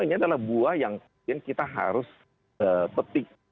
ini adalah buah yang kita harus petik